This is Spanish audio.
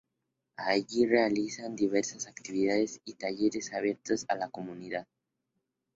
Allí, se realizan diversas actividades y talleres abiertos a la comunidad.